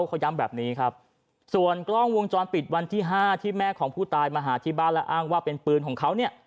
เขาย้ำแบบนี้ครับส่วนกล้องวงจรปิดวันที่ห้าที่แม่ของผู้ตายมาหาที่บ้านและอ้างว่าเป็นปืนของเขาเนี่ย